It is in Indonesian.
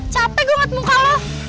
capek gue ngeliat muka lo